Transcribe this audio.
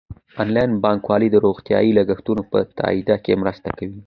انلاین بانکوالي د روغتیايي لګښتونو په تادیه کې مرسته کوي.